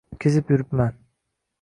Kezib yuribman.